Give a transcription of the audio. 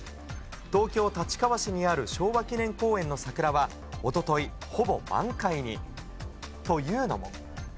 東京・立川市にある昭和記念公園の桜は、おととい、ほぼ満開に。というのも。